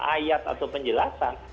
ayat atau penjelasan